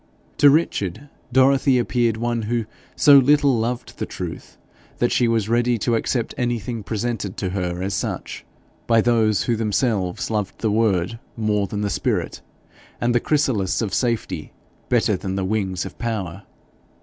To Richard, Dorothy appeared one who so little loved the truth that she was ready to accept anything presented to her as such, by those who themselves loved the word more than the spirit, and the chrysalis of safety better than the wings of power.